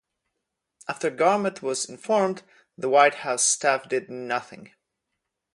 After Garment was informed, the White House staff did nothing.